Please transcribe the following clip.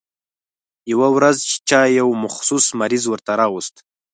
يوه ورځ چا يو مخصوص مریض ورته راوست.